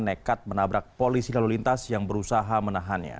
nekat menabrak polisi lalu lintas yang berusaha menahannya